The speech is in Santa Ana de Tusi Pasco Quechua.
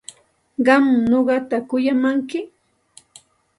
¿Qam nuqata kuyamanki?